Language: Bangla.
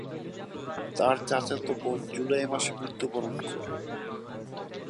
তার চাচাতো বোন জুলাই মাসে মৃত্যুবরণ করে।